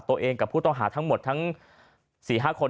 ตัวเองกับผู้ต้องหาทั้งหมดทั้ง๔๕คน